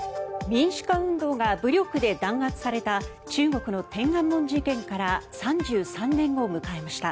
民主化運動が武力で弾圧された中国の天安門事件から３３年を迎えました。